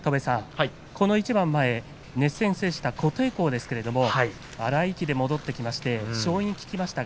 この一番前、熱戦を制した琴恵光ですけれど荒い息で戻ってきました。